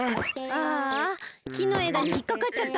ああきのえだにひっかかっちゃった。